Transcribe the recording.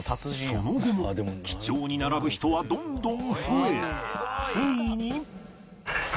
その後も記帳に並ぶ人はどんどん増えついに